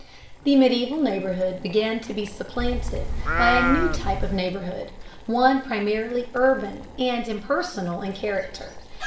The medieval neighborhood began to be supplanted by a new type of neighborhood, one primarily urban and impersonal in character.